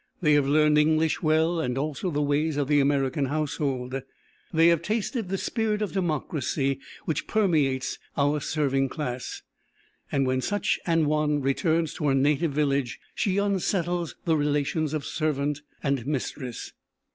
They have learned English well, and also the ways of the American household. They have tasted of the spirit of Democracy which permeates our serving class, and when such an one returns to her native village she unsettles the relations of servant and mistress.